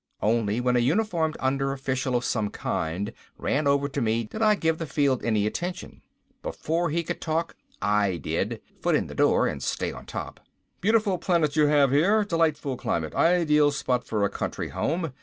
Only when a uniformed under official of some kind ran over to me, did I give the field any attention. Before he could talk I did, foot in the door and stay on top. "Beautiful planet you have here. Delightful climate! Ideal spot for a country home.